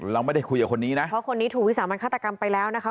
เพราะคนนี้ถูกวิสัยบรรคศกรรมไปแล้วนะคะ